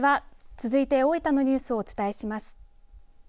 続いて大分のニュースをお伝えします。